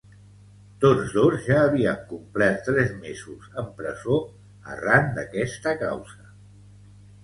Tots dos ja havien complert tres mesos en presó arran d’aquesta causa.